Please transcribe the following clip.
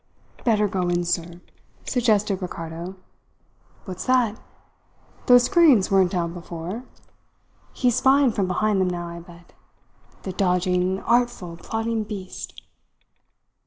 "Better go in, sir," suggested Ricardo. "What's that? Those screens weren't down before. He's spying from behind them now, I bet the dodging, artful, plotting beast!"